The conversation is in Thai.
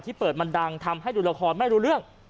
เปิดมันดังทำให้ดูละครไม่รู้เรื่อง